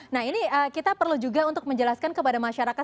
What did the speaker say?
nah ini kita perlu juga untuk menjelaskan kepada masyarakat